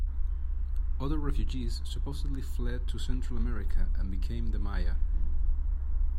Other refugees supposedly fled to Central America and became the Maya.